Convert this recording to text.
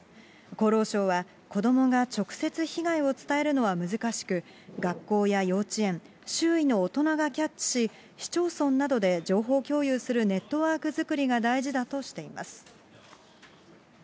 厚労省は子どもが直接被害を伝えるのは難しく、学校や幼稚園、周囲の大人がキャッチし、市町村などで情報共有するネットワーク作りが大事だとしています。